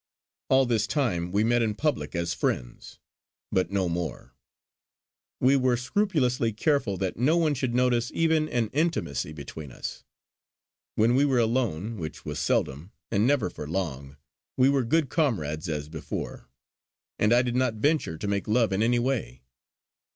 All this time we met in public as friends, but no more; we were scrupulously careful that no one should notice even an intimacy between us. When we were alone, which was seldom and never for long, we were good comrades as before; and I did not venture to make love in any way.